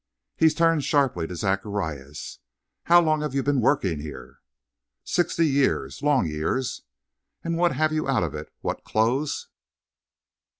He turned sharply to Zacharias. "How long have you been working here?" "Sixty years. Long years!" "And what have you out of it? What clothes?"